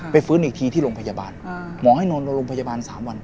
ฟื้นอีกทีที่โรงพยาบาลหมอให้นอนโรงพยาบาล๓วัน